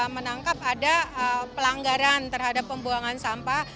menangkap ada pelanggaran terhadap pembuangan sampah